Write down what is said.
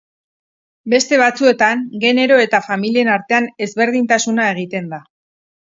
Beste batzuetan genero eta familien artean ezberdintasuna egiten da.